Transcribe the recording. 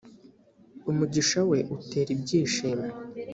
umugishawe utera ibyishimo.